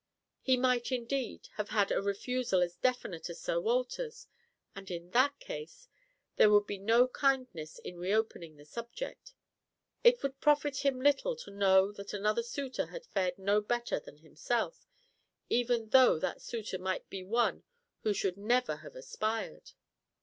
He might, indeed, have had a refusal as definite as Sir Walter's, and in that case there would be no kindness in reopening the subject; it would profit him little to know that another suitor had fared no better than himself, even though that suitor might be one who should never have aspired.